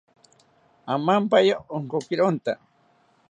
Amampaya Inkokironta